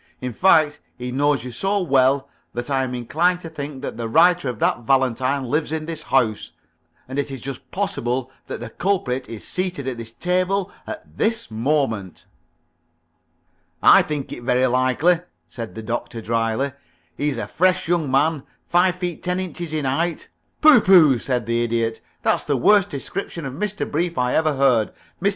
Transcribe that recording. "In fact, he knows you so well that I am inclined to think that the writer of that valentine lives in this house, and it is just possible that the culprit is seated at this table at this moment." "I think it very likely," said the Doctor, dryly. "He's a fresh young man, five feet ten inches in height " "Pooh pooh!" said the Idiot. "That's the worst description of Mr. Brief I ever heard. Mr.